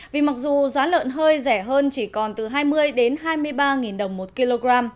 vì mặc dù giá lợn hơi rẻ hơn chỉ còn từ hai mươi hai mươi ba đồng một kg